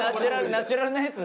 ナチュラルなやつ。